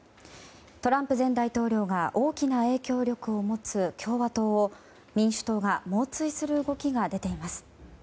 トランプ前大統領が大きな影響力を持つ共和党を民主党が猛追する動きが出ています。